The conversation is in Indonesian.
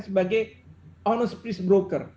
sebagai honest peace broker